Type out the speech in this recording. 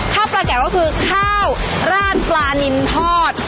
ข้าวปลาแก่ก็คือข้าวราดปลานินทอด